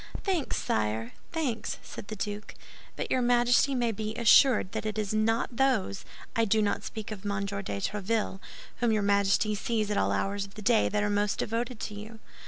"Thanks, sire, thanks," said the duke; "but your Majesty may be assured that it is not those—I do not speak of Monsieur de Tréville—whom your Majesty sees at all hours of the day that are most devoted to you."